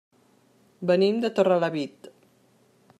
Venim de Torrelavit.